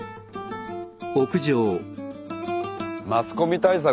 マスコミ対策だよ。